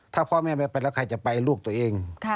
ถ้าพ่อแม่ไม่ไปแล้วใครจะไปลูกตัวเอง